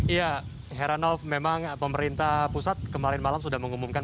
ya heranov memang pemerintah pusat kemarin malam sudah mengumumkan